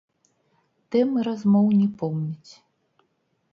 Тэмы размоў не помніць.